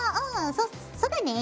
そそだね。